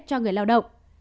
cho người lao động